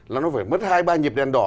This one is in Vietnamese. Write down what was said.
là nó phải mất hai ba nhịp đèn đỏ